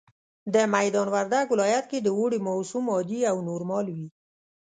د ميدان وردګ ولايت کي د اوړي موسم عادي او نورمال وي